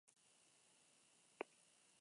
Muturra eta isatsa luzeak izaten dituzte.